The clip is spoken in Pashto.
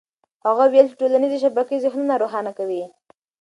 هغه وویل چې ټولنيزې شبکې ذهنونه روښانه کوي.